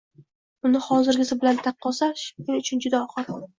Uni hozirgisi bilan taqqoslash men uchun juda og‘ir